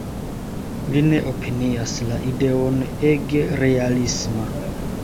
Li ne opinias la ideon ege realisma.